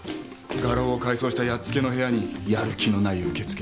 画廊を改装したやっつけの部屋にやる気のない受付。